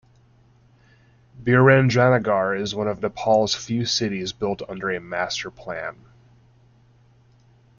Birendranagar is one of Nepal's few cities built under a master plan.